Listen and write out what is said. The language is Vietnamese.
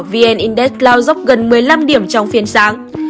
vn index lao dốc gần một mươi năm điểm trong phiên sáng